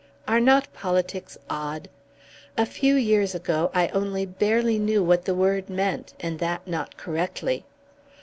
Are not politics odd? A few years ago I only barely knew what the word meant, and that not correctly.